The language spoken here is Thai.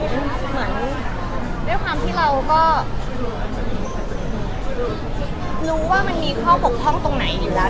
เหมือนด้วยความที่เราก็รู้ว่ามันมีข้อบกพร่องตรงไหนอยู่แล้ว